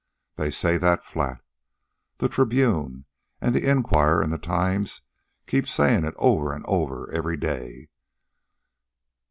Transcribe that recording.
They say that flat. The Tribune, an' the Enquirer an' the Times keep sayin' it over an over every day.